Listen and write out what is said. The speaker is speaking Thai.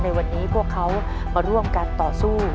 ในวันนี้พวกเขามาร่วมกันต่อสู้